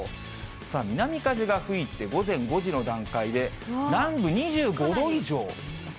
南風が吹いて、午前５時の段階で、南部２５度以上。